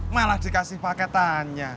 malah dikasih paketannya